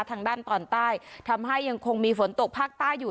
ทางด้านตอนใต้ทำให้ยังคงมีฝนตกภาคใต้อยู่